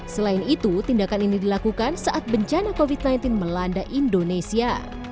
selain itu tindakan ini dilakukan saat bencana covid sembilan belas melanda indonesia